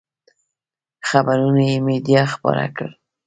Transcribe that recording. خبرونه یې مېډیا خپاره کړل.